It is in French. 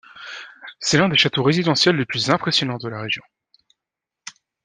C'est l'un des châteaux résidentiels les plus impressionnants de la région.